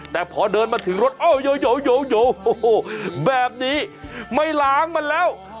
แต่พอเดินมาถึงรถอ้อโยแบบนี้ไม่ล้างมันแล้ว